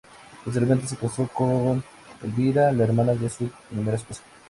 Posteriormente, se casó con Elvira, la hermana de su primera esposa.